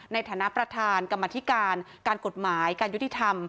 ในฐานะประธานกรรมธิการการกฎหมายการยุติธรรม